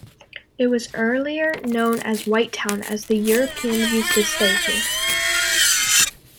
It was earlier known as White Town, as the Europeans used to stay here.